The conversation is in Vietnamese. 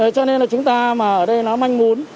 cho nên là chúng ta mà ở đây nó manh mún